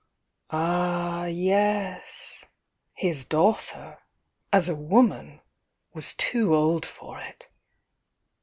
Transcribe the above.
Ah, yes — his daughter, as a woman, was too old for it!